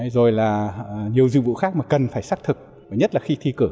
rồi là nhiều dịch vụ khác mà cần phải xác thực nhất là khi thi cử